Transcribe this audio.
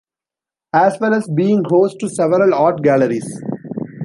As well as being host to several art galleries.